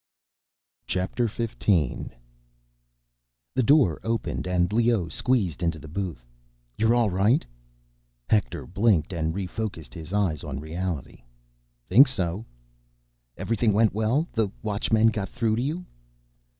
XV The door opened and Leoh squeezed into the booth. "You're all right?" Hector blinked and refocused his eyes on reality. "Think so—" "Everything went well? The Watchmen got through to you?"